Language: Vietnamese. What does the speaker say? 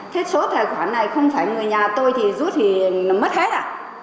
thế số tài khoản này không phải người nhà tôi thì rút thì mất hết à